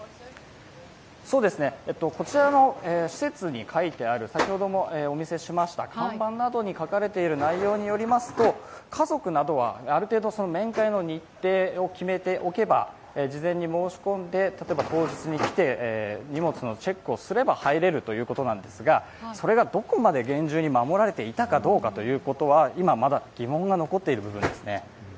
こちらの施設に書いてある看板などに書かれている内容などによりますと、家族などはある程度、面会の日程を決めておけば事前に申し込んで例えば当日に来て荷物のチェックをすれば入れるということなんですが、それがどこまで厳重に守られていたかどうかということは今、まだ疑問が残っている部分ですね。